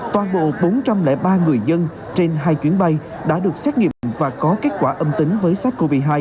toàn bộ bốn trăm linh ba người dân trên hai chuyến bay đã được xét nghiệm và có kết quả âm tính với sars cov hai